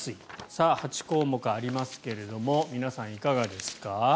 さあ、８項目ありますが皆さんいかがですか？